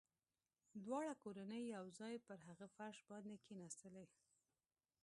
دواړه کورنۍ يو ځای پر هغه فرش باندې کښېناستلې.